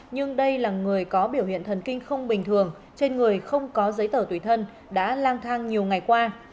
nhưng đây là người có biểu hiện thần kinh không bình thường trên người không có giấy tờ tùy thân đã lang thang nhiều ngày qua